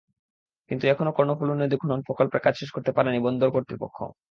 কিন্তু এখনো কর্ণফুলী নদী খনন প্রকল্পের কাজ শেষ করতে পারেনি বন্দর কর্তৃপক্ষ।